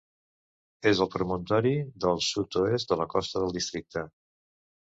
És el promontori del sud-oest de la costa del districte.